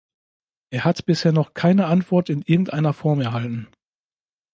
Er hat bisher noch keine Antwort in irgendeiner Form erhalten.